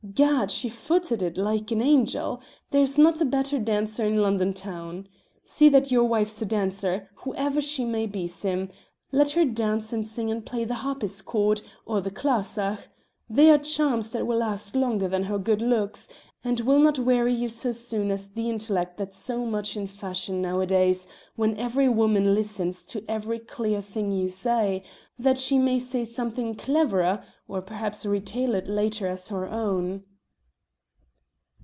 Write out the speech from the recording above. Gad! she footed it like an angel; there's not a better dancer in London town. See that your wife's a dancer, whoever she may be, Sim; let her dance and sing and play the harpsichord or the clarsach they are charms that will last longer than her good looks, and will not weary you so soon as that intellect that's so much in fashion nowadays, when every woman listens to every clever thing you say, that she may say something cleverer, or perhaps retail it later as her own."